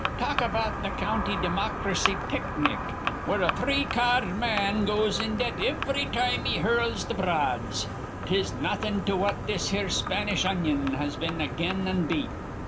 Talk about th' County Dimocracy picnic, where a three ca ard man goes in debt ivry time he hurls th' broads, 'tis nawthin' to what this here Spanish onion has been again an' beat.